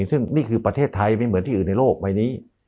ซึ่งนี่คือประเทศไทยไม่เหมือนที่อื่นในโลกใบนี้